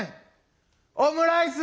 「オムライス」